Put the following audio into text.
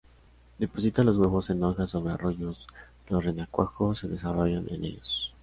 Deposita los huevos en hojas sobre arroyos, los renacuajos se desarrollan en ellos.